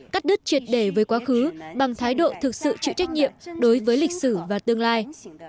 cắt đứt triệt đề với quá khứ bằng thái độ thực sự chịu trách nhiệm đối với lịch sử và tương lai